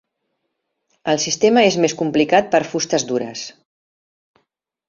El sistema és més complicat per a fustes dures.